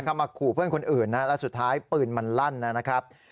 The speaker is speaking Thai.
มาขู่เพื่อนคนอื่นนะแล้วสุดท้ายปืนมันลั่นนะครับ